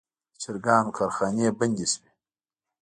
د چرګانو کارخانې بندې شوي.